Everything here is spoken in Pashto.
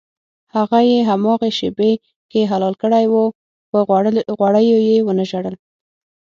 هغه یې هماغې شېبه کې حلال کړی و په غوړیو یې ونه ژړل.